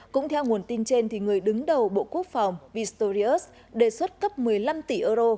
cũng theo nguồn tin trên người đứng đầu bộ quốc phòng pistorius đề xuất cấp một mươi năm tỷ euro